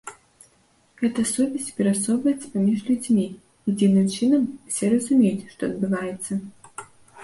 Гэта сувязь перасоўваецца паміж людзьмі, і дзіўным чынам усе разумеюць, што адбываецца.